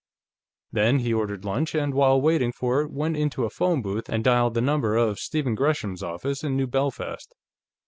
Then he ordered lunch, and, while waiting for it, went into a phone booth and dialed the number of Stephen Gresham's office in New Belfast.